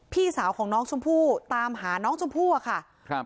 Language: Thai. พี่สาวของน้องชมพู่ตามหาน้องชมพู่อะค่ะครับ